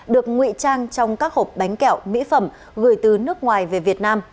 được nguy trang trong các hộp bánh kẹo mỹ phẩm gửi từ nước ngoài về việt nam